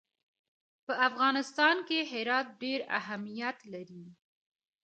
په افغانستان کې هرات ډېر اهمیت لري.